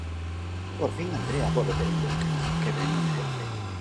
Por fin Andrea pode ter un descanso, que ben o merece.